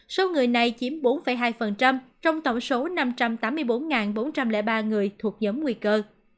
số người này chiếm bốn hai trong tổng số năm trăm tám mươi bốn bốn trăm linh ba người thuộc giống nguy cơ